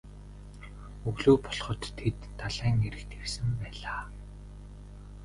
Өглөө болоход тэд далайн эрэгт ирсэн байлаа.